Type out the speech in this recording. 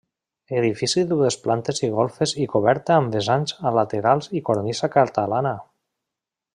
Edifici de dues plantes i golfes i coberta amb vessants a laterals i cornisa catalana.